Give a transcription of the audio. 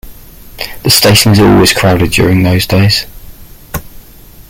The station is always crowded during those days.